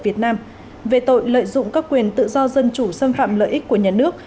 việt nam về tội lợi dụng các quyền tự do dân chủ xâm phạm lợi ích của nhà nước